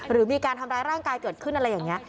หรือมีการทำร้ายร่างกายเกิดขึ้นอะไรอย่างนี้